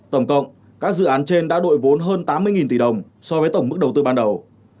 tổng cộng các dự án trên đã đội vốn hơn tám mươi tỷ đồng so với tổng mức đầu tư ban đầu